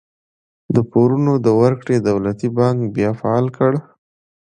د پورونو د ورکړې دولتي بانک بیا فعال کړ.